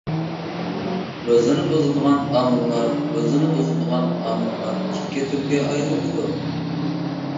روزىنى بۇزىدىغان ئامىللار: روزىنى بۇزىدىغان ئامىللار ئىككى تۈرگە ئايرىلىدۇ.